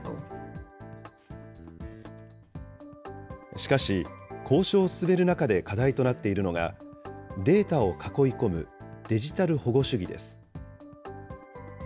しかし、交渉を進める中で課題となっているのが、データを囲い込むデジタル保護主義です。